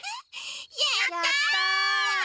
やった！